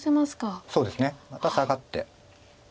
そうですねまたサガって。